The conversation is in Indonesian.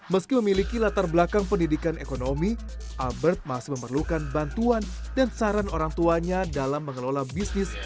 meski memiliki latar belakang pendidikan ekonomi albert masih memerlukan bantuan dan saran orang tuanya dalam mengelola bisnis